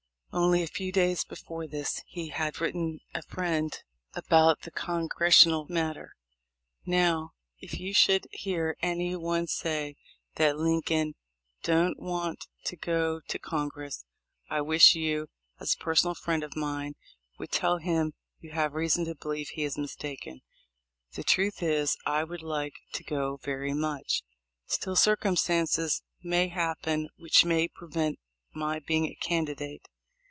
Only a few days before this he had written a friend anent the Congressional matter, "Now if you should hear any one say that Lincoln don't want to go to Congress, I wash you, as a per sonal friend of mine, would tell him you have reason to believe he is mistaken. The truth is I would like to go very much. Still, circumstances may happen which may prevent my being a candi date.